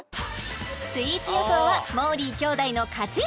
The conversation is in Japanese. スイーツ予想はもーりー兄弟の勝ち